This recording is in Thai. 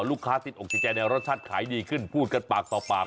ลูกค้าติดออกสิทธิใจในรสชาติขายดีขึ้นพูดกันปากต่อปาก